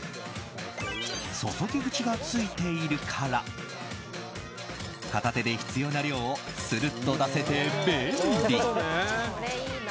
注ぎ口がついているから片手で必要な量をスルッと出せて便利。